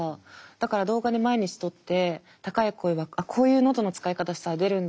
だから動画に毎日撮って高い声はあっこういう喉の使い方したら出るんだっていう。